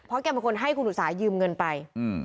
แกเป็นคนให้คุณอุตสาหยืมเงินไป